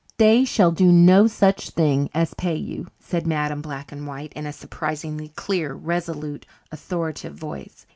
"They shall do no such thing as pay you," said Madam Black and White in a surprisingly clear, resolute, authoritative voice.